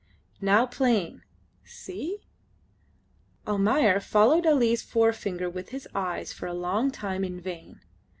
Now plain. See?" Almayer followed Ali's forefinger with his eyes for a long time in vain.